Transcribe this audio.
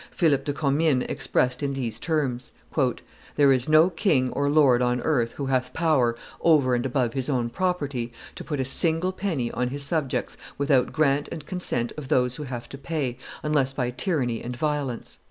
Philip de Commynes expressed in these terms: "There is no king or lord on earth who hath power, over and above his own property, to put a single penny on his subjects without grant and consent of those who have to pay, unless by tyranny and violence."